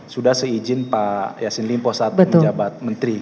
sudah seizin pak yassin limpo saat menjabat menteri